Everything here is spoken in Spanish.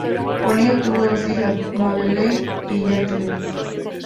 Con ella tuvo dos hijas: Madeleine y Jacqueline.